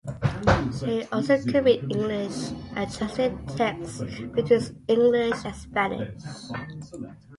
She also could read English and translated texts between English and Spanish.